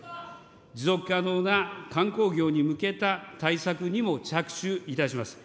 持続可能な観光業に向けた対策にも着手いたします。